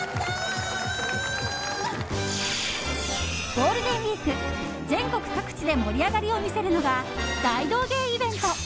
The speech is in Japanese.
ゴールデンウィーク全国各地で盛り上がりを見せるのが大道芸イベント。